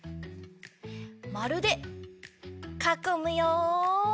まるでかこむよ！